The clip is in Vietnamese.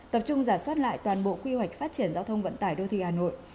tập trung giả soát lại toàn bộ quy hoạch phát triển giao thông vận tải đô thị hà nội